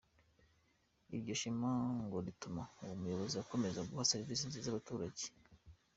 Iryo shema ngo rituma uwo muyobozi akomeza guha serivisi nziza abaturage.